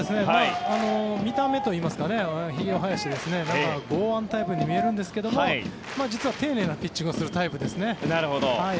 見た目といいますかひげを生やして剛腕タイプに見えますが実は丁寧なピッチングをするタイプですね。